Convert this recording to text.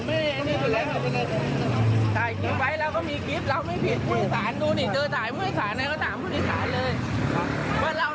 เอาให้เขาเดี๋ยวให้เขาลงเดี๋ยวพวกหนูจะไปกับคุณตำรวจ